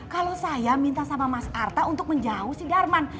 kalau saya minta sama mas arta untuk menjauh si darman